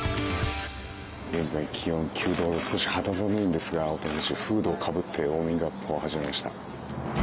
現在、気温９度少し肌寒いんですが大谷選手、フードをかぶってウォーミングアップを始めました。